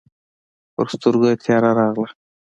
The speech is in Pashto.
پر سترګو يې تياره راغله.